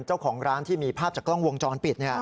เจ้าของร้านที่มีภาพจากกล้องวงจรปิด